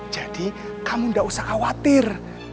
jadi kamu gak usah khawatir